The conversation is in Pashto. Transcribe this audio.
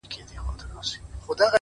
هوښیار انسان هره شېبه ارزوي؛